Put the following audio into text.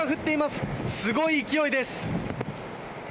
すごい勢いです。